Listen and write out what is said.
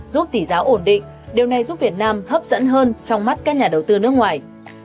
giúp tỷ giá ổn định điều này giúp việt nam hấp dẫn hơn trong mắt các nhà đầu tư nước ngoài